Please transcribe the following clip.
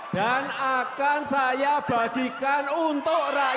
dan akan saya bagikan untuk rakyat kecil